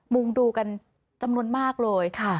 งงดูกันจำนวนมากเลย